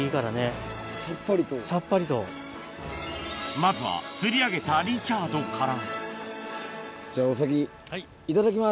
まずは釣り上げたリチャードからじゃあお先いただきます。